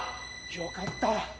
よかった！